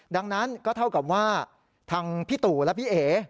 ดังนั้นก็เท่ากับว่าทางพี่ตู่และพี่เอ๋